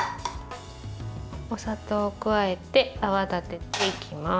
お砂糖を加えて泡立てていきます。